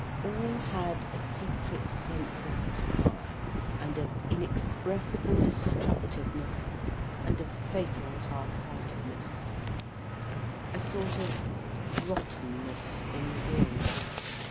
All had a secret sense of power, and of inexpressible destructiveness, and of fatal half heartedness, a sort of rottenness in the will.